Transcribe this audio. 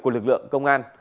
của lực lượng công an